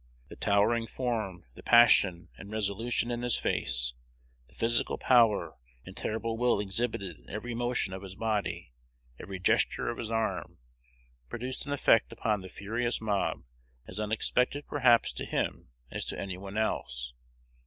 The towering form, the passion and resolution in his face, the physical power and terrible will exhibited in every motion of his body, every gesture of his arm, produced an effect upon the furious mob as unexpected perhaps to him as to any one else.